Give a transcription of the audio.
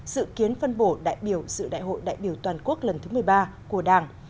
dự kiến phân bổ đại biểu dự đại hội đại biểu toàn quốc lần thứ một mươi ba của đảng